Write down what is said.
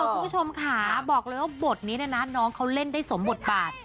คุณผู้ชมค่ะบอกเลยว่าบทนี้เนี่ยนะน้องเขาเล่นได้สมบทบาท